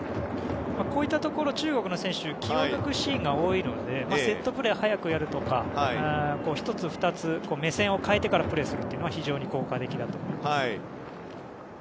こういったところ中国の選手は気を抜くシーンが多いのでセットプレーを早くやるとか１つ、２つ目線を変えてからプレーするのは非常に効果的だと思います。